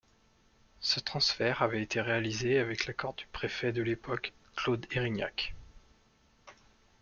Ce transfert avait été réalisé avec l'accord du préfet de l'époque, Claude Erignac.